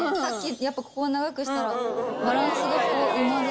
やっぱここは長くしたらバランス良く埋まる。